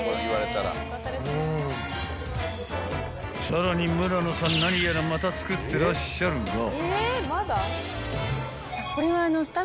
［さらに村野さん何やらまた作ってらっしゃるが］